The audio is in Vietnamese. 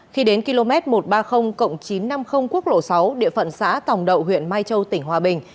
khi đến km một trăm ba mươi chín trăm năm mươi quốc lộ sáu địa phận xã tòng đậu huyện mai châu tỉnh hòa bình